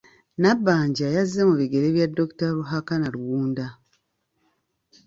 Nabbanja yazze mu bigere bya Dr. Ruhakana Rugunda.